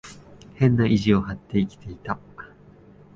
変な意地を張って生きていた。